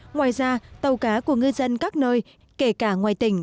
ngoài ra tàu cá của ngư dân các nơi kể cả ngoài tỉnh